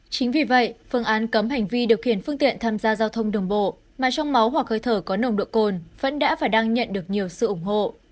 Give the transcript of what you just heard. chính vì vậy phương án cấm hành vi điều kiện phương tiện tham gia giao thông đồng bộ mà trong máu hoặc hơi thở có nồng độ cồn vẫn đã phải đăng nhận được nhiều sự ủng hộ